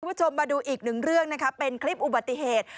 คุณผู้ชมมาดูอีกหนึ่งเรื่องนะคะเป็นคลิปอุบัติเหตุ